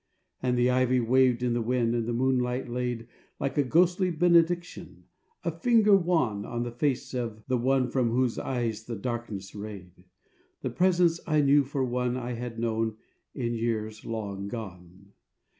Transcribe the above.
And the ivy waved in the wind and the moonlight laid, Like a ghostly benediction, a finger wan On the face of the one from whose eyes the darkness rayed, The presence I knew for one I had known in the years long gone.